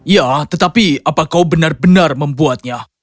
ya tetapi apa kau benar benar membuatnya